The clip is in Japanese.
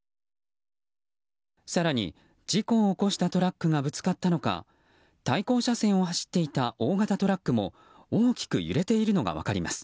更に、事故を起こしたトラックがぶつかったのか対向車線を走っていた大型トラックも大きく揺れているのが分かります。